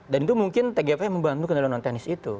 dan itu mungkin tgpf membantu kendala non teknis itu